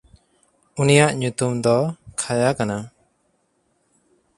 ᱩᱱᱤᱭᱟᱜ ᱧᱩᱛᱩᱢ ᱫᱚ ᱠᱷᱟᱭᱟ ᱠᱟᱱᱟ᱾